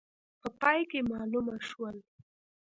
په پای کې معلومه شول.